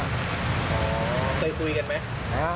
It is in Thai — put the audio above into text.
เคยคุยกันไหม